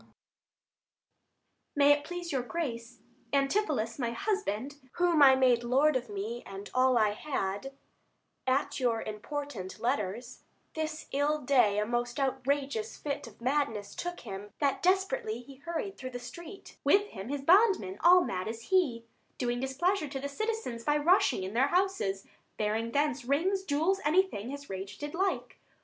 _ May it please your Grace, Antipholus my husband, Whom I made lord of me and all I had, At your important letters, this ill day A most outrageous fit of madness took him; That desperately he hurried through the street, 140 With him his bondman, all as mad as he, Doing displeasure to the citizens By rushing in their houses, bearing thence Rings, jewels, any thing his rage did like.